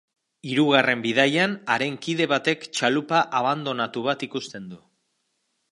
Hirugarren bidaian, haren kide batek txalupa abandonatu bat ikusten du.